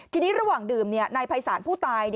ทีนี้ระหว่างดื่มนายภัยศาลผู้ตาย